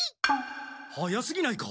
早すぎないか？